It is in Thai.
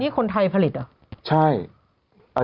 นี่คนไทยผลิตอ่ะ